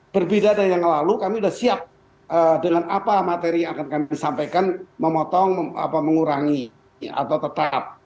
berbeda dari yang lalu kami sudah siap dengan apa materi yang akan kami sampaikan memotong mengurangi atau tetap